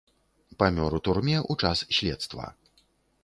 Памёр у турме ў час следства.